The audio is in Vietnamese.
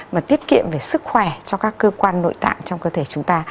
mà tiết kiệm về sức khỏe cho các cơ quan nội tạng trong cơ thể chúng ta